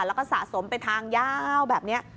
แล้วก็สะสมไปทางยาวแบบนี้